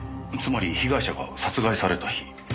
つまり被害者が殺害された日。